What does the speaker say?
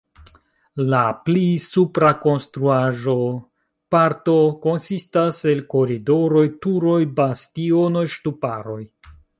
La pli supra konstruaĵo-parto konsistas el koridoroj, turoj, bastionoj, ŝtuparoj.